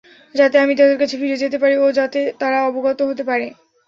যাতে আমি তাদের কাছে ফিরে যেতে পারি ও যাতে তারা অবগত হতে পারে।